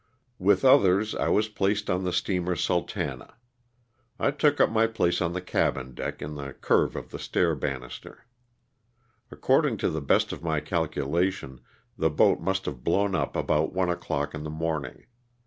With others I was placed on the steamer " Sultana." I took up my place on the cabin deck in the curve of the stair banister. According to the best of my calcu lation the boat must have blown up about one o'clock in the morning.